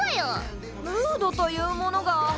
ムードというものが。